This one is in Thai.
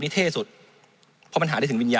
มันตรวจหาได้ระยะไกลตั้ง๗๐๐เมตรครับ